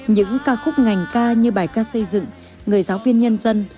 những ca khúc ngành ca như bài ca xây dựng người giáo viên nhân dân